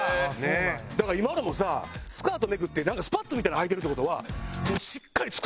だから今のもさスカートめくってスパッツみたいなのはいてるって事は。